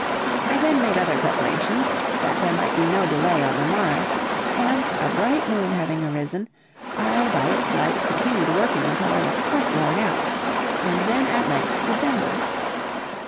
I then made other preparations, that there might be no delay on the morrow, and a bright moon having arisen, I by its light continued working until I was quite worn out, and then at length descended.